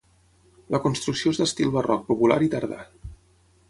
La construcció és d'estil barroc popular i tardà.